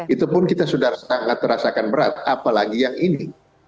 itu pun kita sudah sangat merasakan berat apalagi yang ini